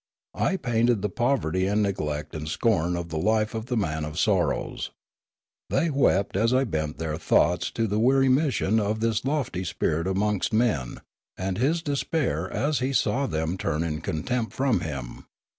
I painted the poverty and neglect and scorn of the life of the Man of Sorrows. They wept as I bent their thoughts to the weary mission of this lofty spirit amongst men, and His despair as He saw them turn in contempt from Him.